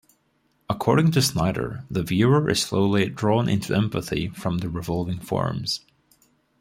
According to Snyder, the viewer is slowly "drawn into empathy with the revolving forms".